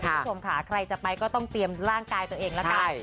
คุณผู้ชมค่ะใครจะไปก็ต้องเตรียมร่างกายตัวเองละกัน